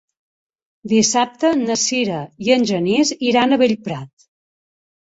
Dissabte na Sira i en Genís iran a Bellprat.